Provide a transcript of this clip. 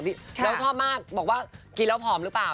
แล้วชอบมากบอกว่ากินแล้วผอมหรือเปล่า